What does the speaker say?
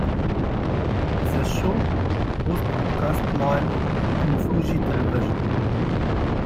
The show was broadcast live on Fuji Television.